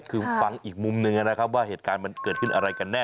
คือฟังอีกมุมหนึ่งนะครับว่าเหตุการณ์มันเกิดขึ้นอะไรกันแน่